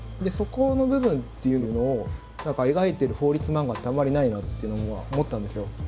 そこの部分っていうのを描いてる法律漫画ってあんまりないなっていうのは思ったんですよ。